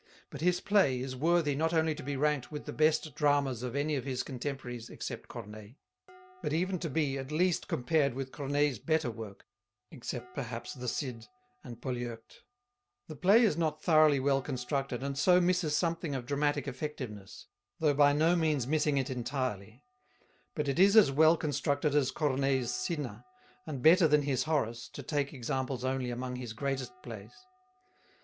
But his play is worthy not only to be ranked with the best dramas of any of his contemporaries except Corneille, but even to be at least compared with Corneille's better work (except perhaps the Cid and Polyeucte). The play is not thoroughly well constructed, and so misses something of dramatic effectiveness, though by no means missing it entirely; but it is as well constructed as Corneille's Cinna, and better than his Horace to take examples only among his greatest plays.